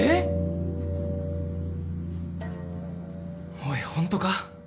おいホントか？